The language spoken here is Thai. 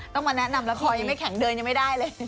ต้องมาแนะนำละครยังไม่แข็งเดินยังไม่ได้เลย